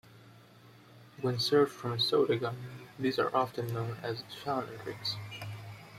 When served from a soda gun, these are often known as fountain drinks.